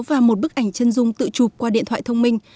và một bức ảnh chân dung tự chụp qua điện thoại thông minh